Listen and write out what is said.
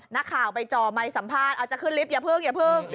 นักข่าวไปจ่อไมค์สัมภาษณ์อาจจะขึ้นลิฟตอย่าเพิ่งอย่าเพิ่ง